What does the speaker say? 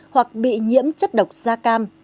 hoặc bị nhiễm chất độc da cam